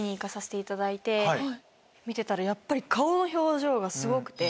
見てたらやっぱり顔の表情がすごくて。